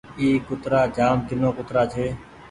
اي ڪترآ جآم ڪينو ڪترآ ڇي۔